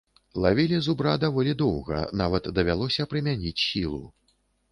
Лавілі зубра даволі доўга, нават давялося прымяніць сілу.